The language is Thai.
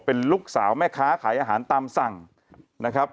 เป็นลูกสาวแม่ค้าขายอาหารตามสั่งนะครับ